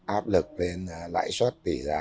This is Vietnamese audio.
áp lực lên lãi suất tỷ giá